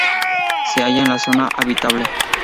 Se halla en la zona habitable.